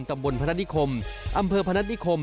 ตำบลพนัฐนิคมอำเภอพนัฐนิคม